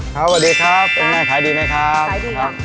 ครับหวัดดีครับตรงนี้ขายดีไหมครับขายดีครับ